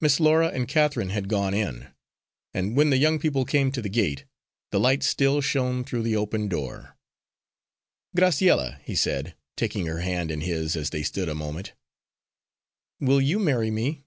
Miss Laura and Catherine had gone in, and when the young people came to the gate, the light still shone through the open door. "Graciella," he said, taking her hand in his as they stood a moment, "will you marry me?"